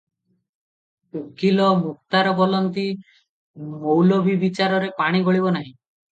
ଉକୀଲ, ମୁକ୍ତାର ବୋଲନ୍ତି ମୌଲବୀ ବିଚାରରେ ପାଣି ଗଳିବ ନାହିଁ ।